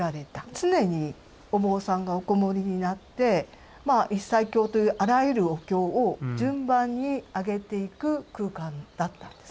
常にお坊さんがおこもりになって一切経というあらゆるお経を順番にあげていく空間だったんです。